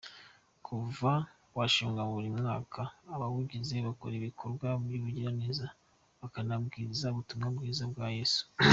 Kuva washingwa, buri mwaka abawugize bakora ibikorwa by’ubugiraneza bakanabwiriza ubutumwa bwiza bwa Yesu.